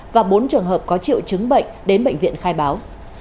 và bốn trường hợp có triệu chứng bệnh đến bệnh viện khai báo